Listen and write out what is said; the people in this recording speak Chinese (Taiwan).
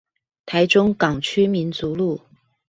台中港區民族路